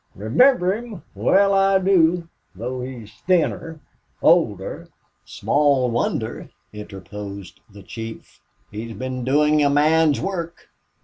"Remember him! Well, I do though he's thinner, older." "Small wonder," interposed the chief. "He's been doing a man's work."